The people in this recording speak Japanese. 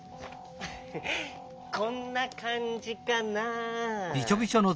こんなかんじかな。